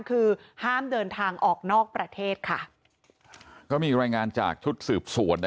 คือห้ามเดินทางออกนอกประเทศค่ะก็มีรายงานจากชุดสืบสวน